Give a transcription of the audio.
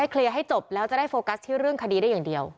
เคลียร์ให้จบแล้วจะได้โฟกัสที่เรื่องคดีได้อย่างเดียว